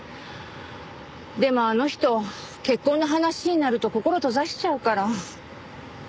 でもあの人結婚の話になると心閉ざしちゃうから。